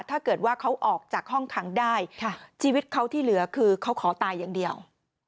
ถ้าเกิดว่าเขาออกจากห้องขังได้ชีวิตเขาที่เหลือคือเขาขอตายอย่างเดียว